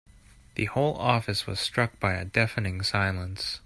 The whole office was struck by a deafening silence.